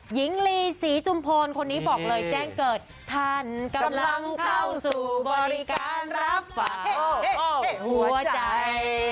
หญิงลีศรีจุมพลคนนี้บอกเลยแจ้งเกิดท่านกำลังเข้าสู่บริการรับฝากหัวใจ